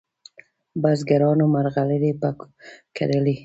بزګرانو مرغلري په کرلې